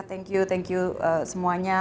thank you thank you semuanya